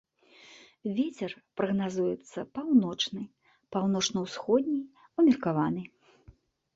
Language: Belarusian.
Вецер прагназуецца паўночны, паўночна-ўсходні, умеркаваны.